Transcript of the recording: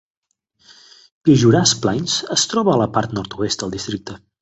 Piejuras Plains es troba a la part nord-oest del districte.